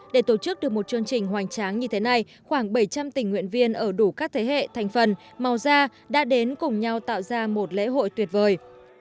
để tổ chức được một chương trình hoành tráng như thế này khoảng bảy trăm linh tình nguyện viên ở đủ các thế hệ thành phần màu da đã đến cùng nhau tạo ra một lễ hội tuyệt vời